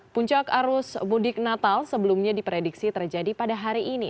puncak arus mudik natal sebelumnya diprediksi terjadi pada hari ini